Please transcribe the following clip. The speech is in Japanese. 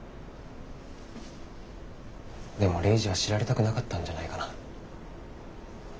でもレイジは知られたくなかったんじゃないかな。